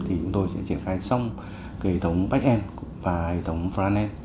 chúng tôi sẽ triển khai xong hệ thống backend và hệ thống frontend